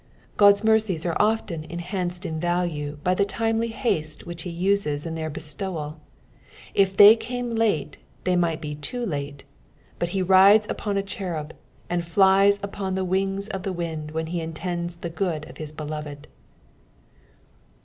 God's mercies are often enhanced in value by the timely baste which he uses in their bestowal ; if they came late they misht be too late— but he rides upon a cherub, and flies upon the wings of the wind when he intends the good of his beloved.